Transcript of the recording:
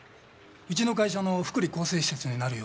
うちの会社の福利厚生施設になる予定なんです。